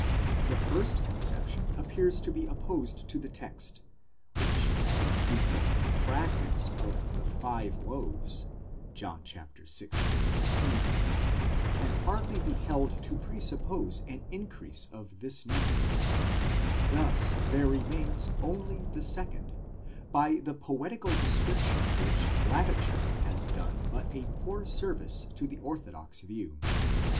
The first conception appears to be opposed to the text, which as it speaks of fragments ἐκ τῶν πέντε ἄρτων, of the five loaves (John vi. 13), can hardly be held to presuppose an increase of this number ;.thus there remains only the second, by the poetical description of which Lavater has done but a poor service to the orthodox view.